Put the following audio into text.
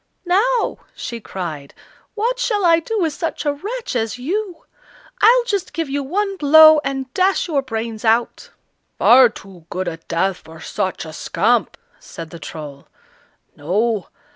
"Now," she cried, "what shall I do with such a wretch as you? I'll just give you one blow, and dash your brains out!" "Far too good a death for such a scamp," said the Troll. "No!